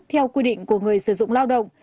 theo quy định của người sử dụng lao động